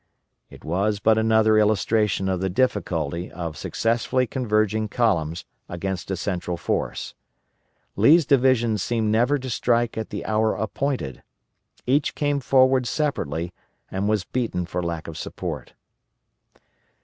It was but another illustration of the difficulty of successfully converging columns against a central force. Lee's divisions seemed never to strike at the hour appointed. Each came forward separately, and was beaten for lack of support.